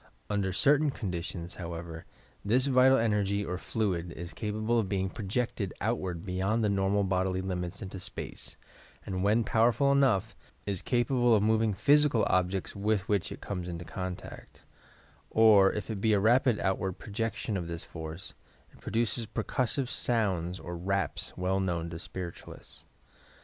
Under certain conditions, however, this vital energy or fluid is capable of being projected outward beyond the normal bodily limits into space, and, when powerful enough, is cap able of moving physical objects with which it comes into contact; or if it be a rapid outward projection of this force, it produces percussive sounds or raps well known to Spiritualists.